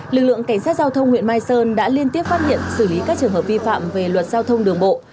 lực lượng cảnh sát giao thông huyện mai sơn đã liên tiếp phát hiện xử lý các trường hợp vi phạm về luật giao thông đường bộ